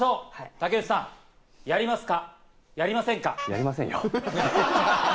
竹内さん、やりますか？